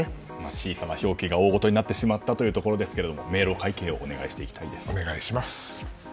小さな表記が大事になってしまったというところですけれども明朗会計をお願いしていきたいです。